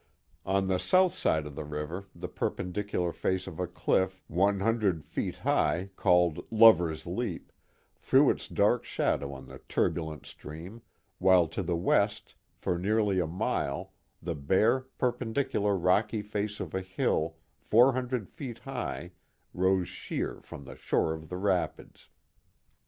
On the south side of the river the perpendicular face of a cliff one hundred The Legend of Little Falls 367 feet high, called Lovers' Leap, threw its dark shadow on the turbulent stream, while to the west, for nearly a mile, the bare, perpendicular, rocky face of a hill four hundred feet high, rose sheer from the shore of the rapids.